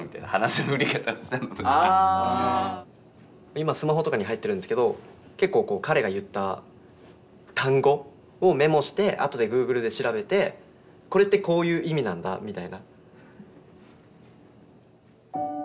今スマホとかに入ってるんですけど結構彼が言った単語をメモして後でグーグルで調べてこれってこういう意味なんだみたいな。